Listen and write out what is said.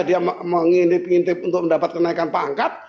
dia ingin untuk mendapatkan kenaikan pangkat